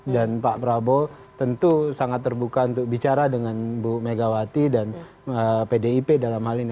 dan pak prabowo tentu sangat terbuka untuk bicara dengan bu megawati dan pdip dalam hal ini